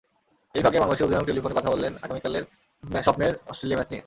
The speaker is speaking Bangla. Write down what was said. এরই ফাঁকে বাংলাদেশ অধিনায়ক টেলিফোনে কথা বললেন আগামীকালের স্বপ্নের অস্ট্রেলিয়া ম্যাচ নিয়ে।